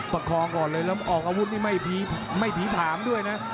ประคองก่อนเลยแล้วออกอาวุธนี่ไม่ผีผางด้วยนะ